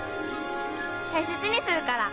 大切にするから。